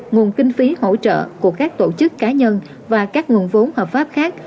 nguồn kinh phí hỗ trợ của các tổ chức cá nhân và các nguồn vốn hợp pháp khác